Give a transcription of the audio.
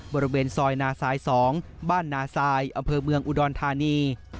บริเวณซอยนาซาย๒บ้านนาซายอำเภอเมืองอุดรธานี